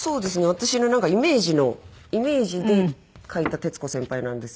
私のイメージのイメージで描いた徹子先輩なんですけれども。